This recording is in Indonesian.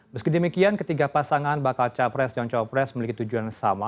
meski demikian ketiga pasangan bakal capres dan copres memiliki tujuan yang sama